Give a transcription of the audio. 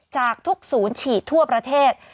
จากทุกศูนย์ฉีดทั่วประเทศ